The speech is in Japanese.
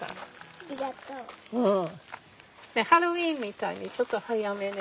ハロウィンみたいにちょっと早めで。